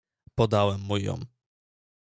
"Podałem mu ją."